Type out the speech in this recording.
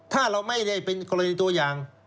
ถ้าเราไม่ได้เป็นกรณีตัวอย่าง